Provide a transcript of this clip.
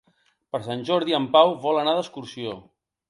Per Sant Jordi en Pau vol anar d'excursió.